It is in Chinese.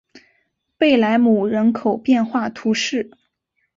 贝莱姆人口变化图示